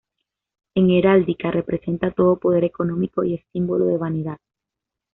En heráldica, representa todo poder económico y es símbolo de vanidad.